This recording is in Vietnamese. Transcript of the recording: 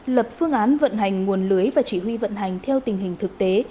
lập phương án vận hành nguồn lưới và chỉ huy vận hành theo tình hình thực tế